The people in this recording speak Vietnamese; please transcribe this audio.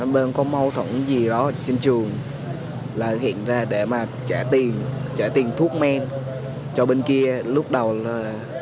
bên có mâu thuẫn gì đó trên trường là hiện ra để mà trả tiền thuốc men cho bên kia lúc đầu là một trăm linh